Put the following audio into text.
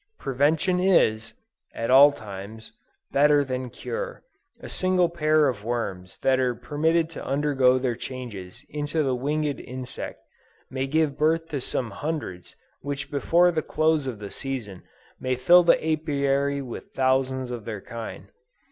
"Prevention is," at all times, "better than cure": a single pair of worms that are permitted to undergo their changes into the winged insect, may give birth to some hundreds which before the close of the season, may fill the Apiary with thousands of their kind.